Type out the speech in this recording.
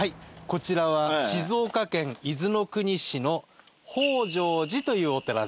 こちらは静岡県伊豆の国市の北條寺というお寺です。